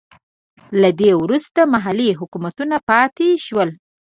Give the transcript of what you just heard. له دې وروسته محلي حکومتونه پاتې شول.